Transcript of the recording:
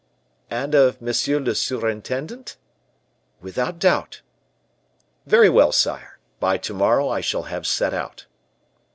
"And of monsieur le surintendant?" "Without doubt." "Very well, sire. By to morrow I shall have set out."